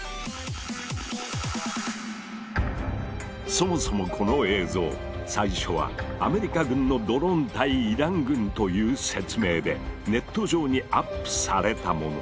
そもそもこの映像最初は「アメリカ軍のドローン対イラン軍」という説明でネット上にアップされたもの。